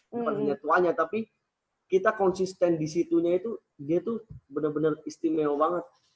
bukan hanya tuanya tapi kita konsisten di situnya itu dia tuh bener bener istimewa banget